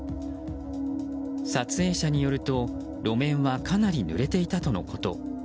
撮影者によると路面はかなりぬれていたとのこと。